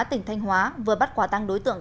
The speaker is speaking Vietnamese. tỉnh thanh hóa vừa bắt quả tăng đối tượng